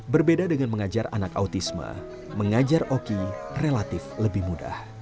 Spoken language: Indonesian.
berbeda dengan mengajar anak autisme mengajar oki relatif lebih mudah